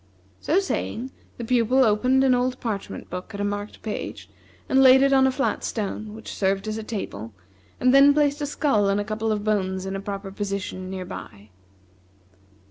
So saying, the Pupil opened an old parchment book at a marked page, and laid it on a flat stone, which served as a table, and then placed a skull and a couple of bones in a proper position near by.